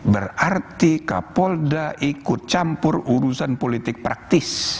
berarti kapolda ikut campur urusan politik praktis